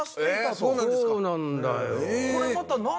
そうなんだよ。